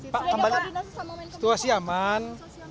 pak situasi aman